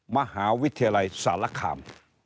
มหาวิทยาลัยสารคาม